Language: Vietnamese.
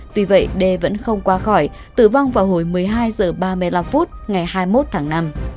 tuy vậy đê vẫn không qua khỏi tử vong vào hồi một mươi hai h ba mươi năm phút ngày hai mươi một tháng năm